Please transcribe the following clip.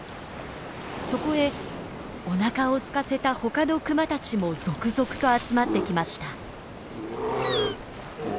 そこへおなかをすかせたほかのクマたちも続々と集まってきました。